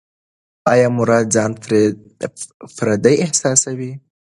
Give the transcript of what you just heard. ایا مراد ځان پردی احساساوه؟